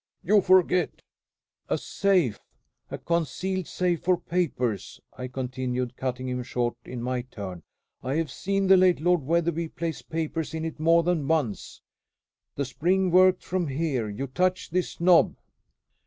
"You forget " "A safe a concealed safe for papers," I continued, cutting him short in my turn. "I have seen the late Lord Wetherby place papers in it more than once. The spring worked from here. You touch this knob."